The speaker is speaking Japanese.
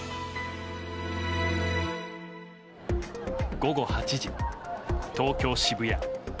午後８時、東京・渋谷。